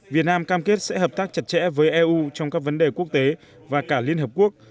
việt nam cam kết sẽ hợp tác chặt chẽ với eu trong các vấn đề quốc tế và cả liên hợp quốc